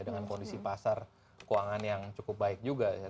dengan kondisi pasar keuangan yang cukup baik juga